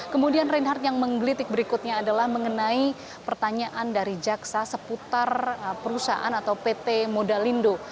kemudian reinhardt yang menggelitik berikutnya adalah mengenai pertanyaan dari jaksa seputar perusahaan atau pt modalindo